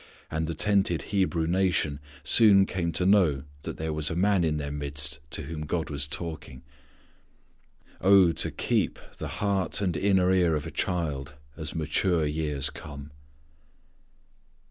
And the tented Hebrew nation soon came to know that there was a man in their midst to whom God was talking. O, to keep the heart and inner ear of a child as mature years come!